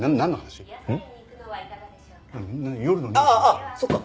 ああそっか！